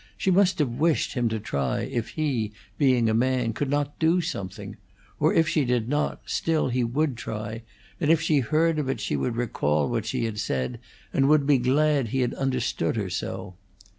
She must have wished him to try if he, being a man, could not do something; or if she did not, still he would try, and if she heard of it she would recall what she had said and would be glad he had understood her so.